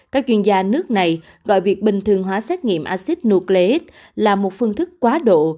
các chuyên gia nước này gọi việc bình thường hóa xét nghiệm acid nucleic là một phương thức quá độ